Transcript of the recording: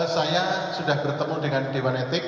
saya sudah bertemu dengan dewan etik